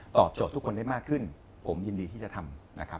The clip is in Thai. ตอบโจทย์ทุกคนได้มากขึ้นผมยินดีที่จะทำ